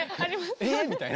え⁉みたいな。